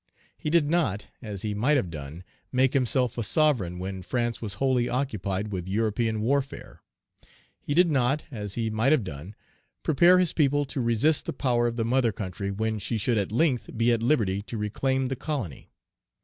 He did not, as he might have done, make himself a sovereign when France was wholly occupied with European warfare. He did not, as he might have done, prepare his people to resist the power of the mother country when she should at length be at liberty to reclaim the colony.